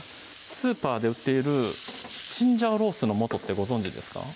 スーパーで売っているチンジャオロースーのもとってご存じですか？